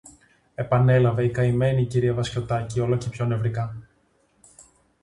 επανέλαβε η καημένη η κυρία Βασιωτάκη όλο και πιο νευρικά.